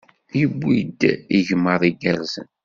Yuwi-d igmaḍ igerrzen.